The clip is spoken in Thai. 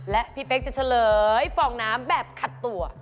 และพี่เป๊กจะเฉลยฟองน้ำแบบขัดตัว